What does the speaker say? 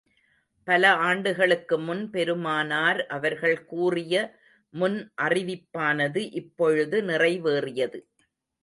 பல ஆண்டுகளுக்கு முன், பெருமானார் அவர்கள் கூறிய முன் அறிவிப்பானது இப்பொழுது நிறைவேறியது.